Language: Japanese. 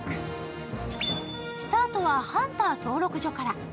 スタートはハンター登録所から。